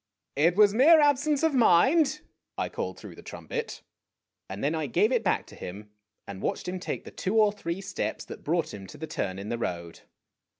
"It was mere absence of mind," I called through the trumpet ; and then I gave it back to him, and watched him take the two or three steps that brought him to the turn in the road.